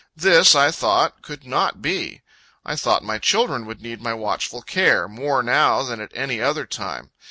This, I thought, could not be. I thought my children would need my watchful care, more now than at any other time.